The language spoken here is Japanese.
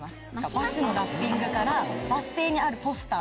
バスのラッピングからバス停にあるポスター